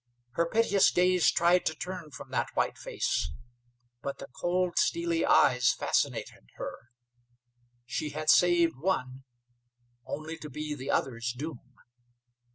Her piteous gaze tried to turn from that white face; but the cold, steely eyes fascinated her. She had saved one only to be the other's doom!